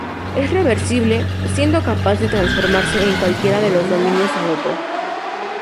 Es reversible, siendo capaz de transformarse en cualquiera de los dominios al otro.